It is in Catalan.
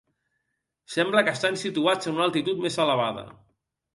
Sembla que estan situats en una altitud més elevada.